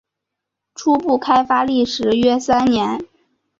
初步开发历时约三年。